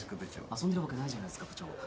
遊んでるわけないじゃないですか部長。